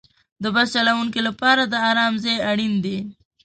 د بس چلوونکي لپاره د آرام ځای اړین دی.